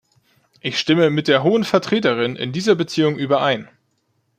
Ich stimme mit der Hohen Vertreterin in dieser Beziehung überein.